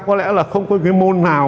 có lẽ là không có môn nào